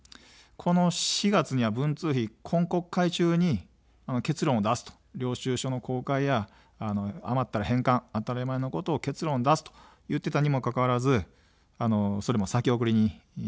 この４月には文通費、今国会中に結論を出すと、領収書の公開や余ったら返還、当たり前のことを結論出すと言っていたにもかかわらず、それも先送りになりました。